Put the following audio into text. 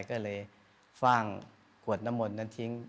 ก็เลยฟ่างขวดน้ำมนต์นั้นทิ้ง